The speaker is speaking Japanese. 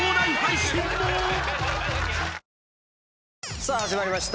さあ始まりました。